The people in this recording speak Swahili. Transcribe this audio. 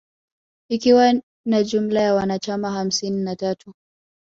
Ikiwa na jumla ya wanachama hamsini na tatu